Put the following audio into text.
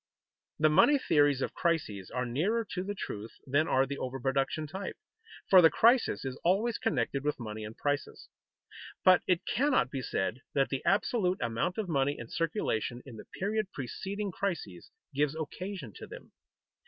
The money theories of crises are nearer to the truth than are the over production type, for the crisis is always connected with money and prices. But it cannot be said that the absolute amount of money in circulation in the period preceding crises gives occasion to them.